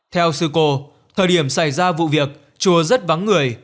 theo sư cô thời điểm xảy ra vụ việc chùa rất vắng người